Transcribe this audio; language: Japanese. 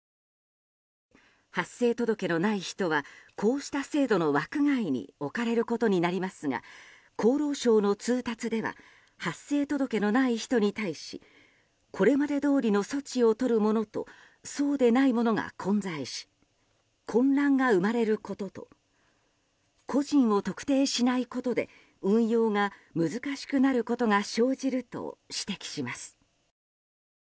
発生届のない人はこうした制度の枠外に置かれることになりますが厚労省の通達では発生届のない人に対しこれまでどおりの措置をとるものとそうでないものが混在し混乱が生まれることと個人を特定しないことで運用が難しくなることが生じると指摘します。